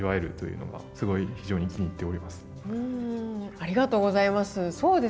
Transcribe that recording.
ありがとうございます。